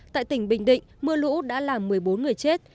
tại tỉnh bình định mưa lũ đã làm một mươi bốn người chết